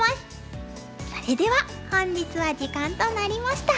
それでは本日は時間となりました。